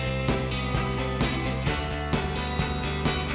ไม่มีทางเลือก